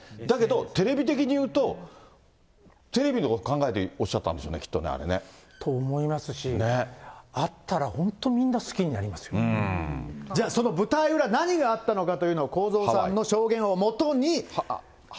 だけど、テレビ的に言うと、テレビの考えでおっしゃったんですよね、きっとね、あれね。と思いますし、会ったら本当、じゃあその舞台裏、何があったのかというのを、公造さんの証言をもとに。